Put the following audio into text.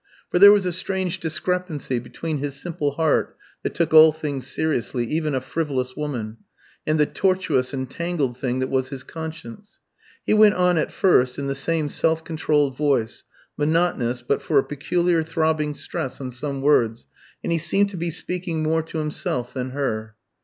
For there was a strange discrepancy between his simple heart that took all things seriously even a frivolous woman and the tortuous entangled thing that was his conscience. He went on at first in the same self controlled voice, monotonous but for a peculiar throbbing stress on some words, and he seemed to be speaking more to himself than her.